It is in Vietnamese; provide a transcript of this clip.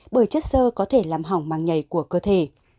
bởi chất sơ có thể làm hỏng màng nhảy của cơ thể